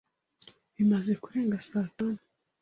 Bimaze kurenga saa tanu.